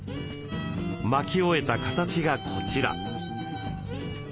まき終えた形がこちら。